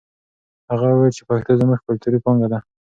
هغه وویل چې پښتو زموږ کلتوري پانګه ده.